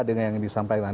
dengan yang disampaikan